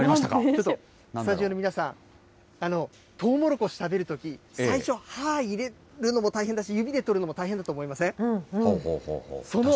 ちょっと、スタジオの皆さん、トウモロコシ食べるとき、最初、歯入れるのも大変だし、指で取るのも大変だと思いません？